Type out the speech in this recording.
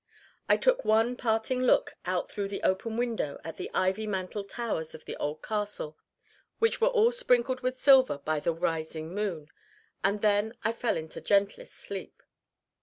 I took one parting look out through the open window at the ivy mantled towers of the old castle, which were all sprinkled with silver by the rising moon, and then I fell into gentlest sleep.